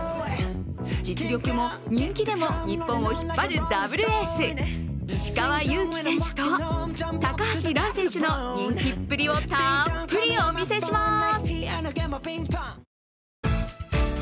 実力も人気でも日本を引っ張るダブルエース、石川祐希選手と高橋藍選手の人気っぷりをたっぷりお見せします。